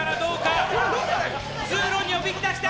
通路におびき出した！